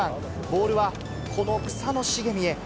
ボールはこの草の茂みへ。